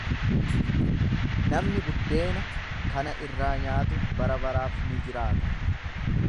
Namni buddeena kana irraa nyaatu barabaraaf ni jiraata.